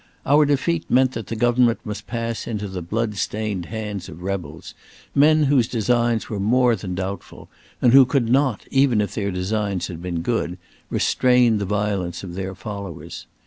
Our defeat meant that the government must pass into the blood stained hands of rebels, men whose designs were more than doubtful, and who could not, even if their designs had been good, restrain the violence of their followers.